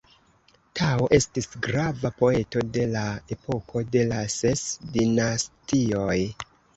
Tao estis grava poeto de la epoko de la Ses Dinastioj.